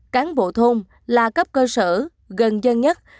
cán bộ thôn là cấp cơ sở gần dân nhất